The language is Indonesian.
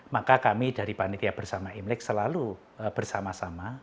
maka kami dari panitia bersama imlek selalu bersama sama